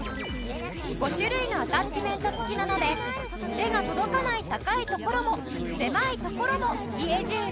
５種類のアタッチメント付きなので手が届かない高い所も狭い所も家じゅう